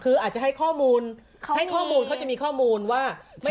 คืออาจจะให้ข้อมูลให้ข้อมูลเขาจะมีข้อมูลว่า